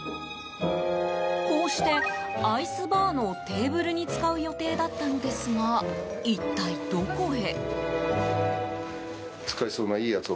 こうしてアイスバーのテーブルに使う予定だったのですが一体、どこへ？